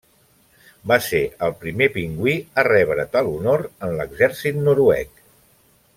Va ser el primer pingüí a rebre tal honor en l'exèrcit noruec.